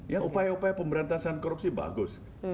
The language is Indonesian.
ya upaya upaya pemberantasan korupsi bagus